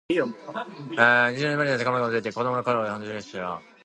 虹の根元には宝物が埋まっているって、子どもの頃は本気で信じてたなあ。